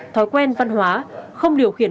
thói quen văn hóa không điều khiển